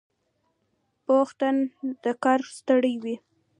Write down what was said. پوخ تن د کار سړی وي